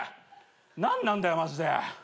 何なんだよマジで。